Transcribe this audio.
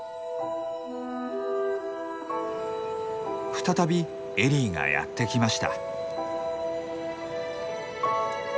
再びエリーがやって来ました。